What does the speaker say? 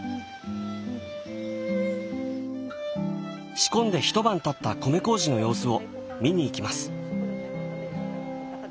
仕込んで一晩たった米麹の様子を見に行きます。